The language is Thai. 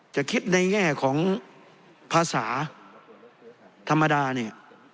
จะคิดในแง่ของภาษาธรรมดาเนี่ย